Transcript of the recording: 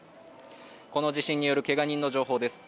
この地震によるけが人の情報です。